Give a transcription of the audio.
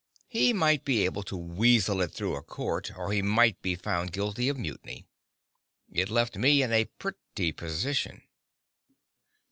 He might be able to weasel it through a court, or he might be found guilty of mutiny. It left me in a pretty position.